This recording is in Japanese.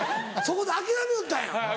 そこで諦めよったんや。